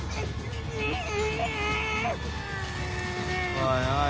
おいおい